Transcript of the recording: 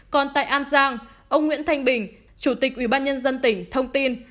còn tại an giang ông nguyễn thanh bình chủ tịch ủy ban nhân dân tỉnh thông tin